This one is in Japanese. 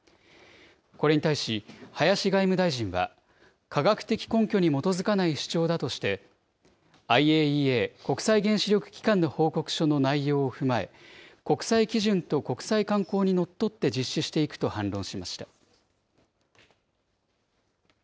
これに対し、林外務大臣は、科学的根拠に基づかない主張だとして、ＩＡＥＡ・国際原子力機関の報告書の内容を踏まえ、国際基準と国際慣行にのっとって実施していくと反論しました。